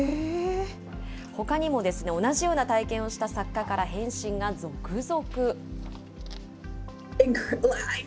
ほかにもですね、同じような体験をした作家から返信が続々。